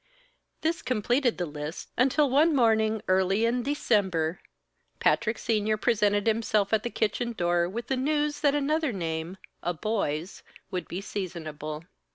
This completed the list, until one morning early in December, Patrick Senior presented himself at the kitchen door, with the news that another name a boy's would be seasonable.